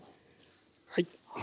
はい。